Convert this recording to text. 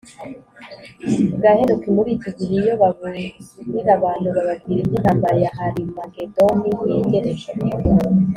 bwa Henoki muri iki gihe iyo baburira abantu bababwira iby intambara ya Harimagedoni yegereje